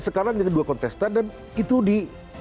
sekarang hanya ada dua kontestan dan itu di